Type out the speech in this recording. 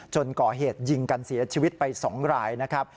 ก่อเหตุยิงกันเสียชีวิตไป๒รายนะครับ